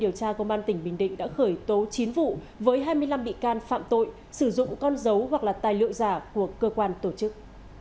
điều tra công an tỉnh bình định đã khởi tố chín vụ với hai mươi năm bị can phạm tội sử dụng con dấu hoặc là tài liệu giả của cơ quan tổ chức